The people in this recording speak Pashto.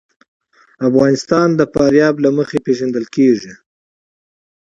افغانستان د فاریاب له مخې پېژندل کېږي.